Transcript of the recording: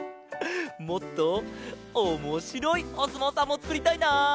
もっとおもしろいおすもうさんもつくりたいな！